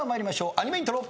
アニメイントロ。